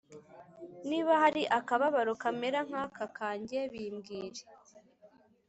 niba hari akababaro kamera nk’aka kanjye, bimbwire